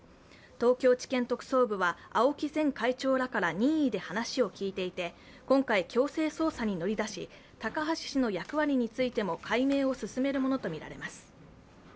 東京地検特捜部は、ＡＯＫＩ前会長らから任意で話を聴いていて、今回、強制捜査に乗り出し、高橋氏の役割についても解明を進めるものとみられます。